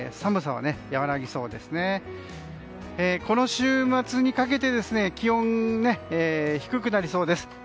この週末にかけて気温が低くなりそうです。